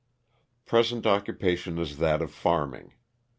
Present occupation is that of farming.